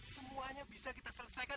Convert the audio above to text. semuanya bisa kita selesaikan